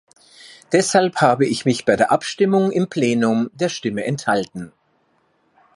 Deshalb habe ich mich bei der Abstimmung im Plenum der Stimme enthalten.